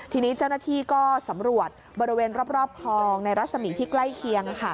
ทีนี้เจ้าหน้าที่ก็สำรวจบริเวณรอบคลองในรัศมีที่ใกล้เคียง